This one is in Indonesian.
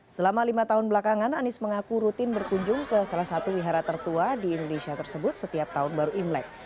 selama lima tahun belakangan anies mengaku rutin berkunjung ke salah satu wihara tertua di indonesia tersebut setiap tahun baru imlek